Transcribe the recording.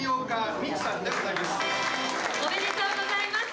おめでとうございます。